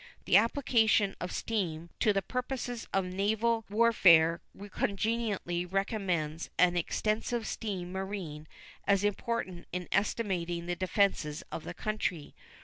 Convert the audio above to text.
The application of steam to the purposes of naval warfare cogently recommends an extensive steam marine as important in estimating the defenses of the country.